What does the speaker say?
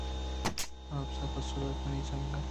اپس ءَ پسّہ دات منی سنگت!